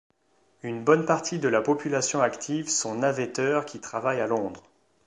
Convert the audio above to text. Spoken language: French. Une bonne partie de la population active sont navetteurs qui travaillent à Londres.